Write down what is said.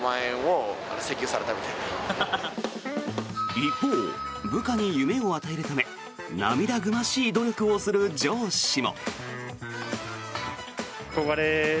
一方、部下に夢を与えるため涙ぐましい努力をする上司も。